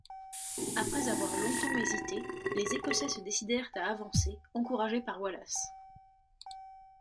Après avoir longtemps hésité, les Écossais se décidèrent à avancer, encouragés par Wallace.